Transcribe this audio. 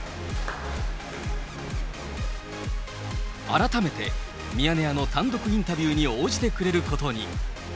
改めて、ミヤネ屋の単独インタビューに応じてくれることに。